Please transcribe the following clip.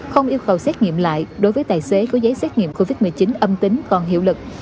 không yêu cầu xét nghiệm lại đối với tài xế có giấy xét nghiệm covid một mươi chín âm tính còn hiệu lực